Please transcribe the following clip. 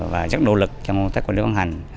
và rất nỗ lực trong cách quản lý vận hành